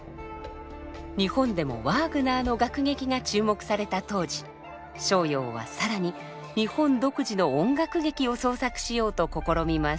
日本でもワーグナーの楽劇が注目された当時逍遥は更に日本独自の音楽劇を創作しようと試みます。